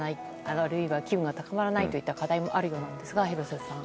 あるいは機運が高まらないといった課題もあるそうですが廣瀬さん。